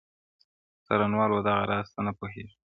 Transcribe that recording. څارنوال ودغه راز ته نه پوهېږي,